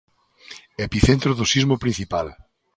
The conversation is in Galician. Epicentro do sismo principal.